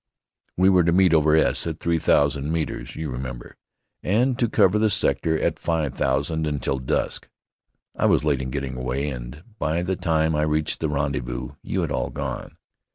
We were to meet over S at three thousand metres, you remember, and to cover the sector at five thousand until dusk. I was late in getting away, and by the time I reached the rendezvous you had all gone.